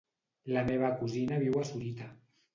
La meva cosina viu a Sorita.